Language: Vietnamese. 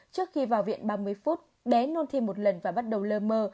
trước khi vào viện ba mươi phút bé nôn thi một lần và bắt đầu lơ mơ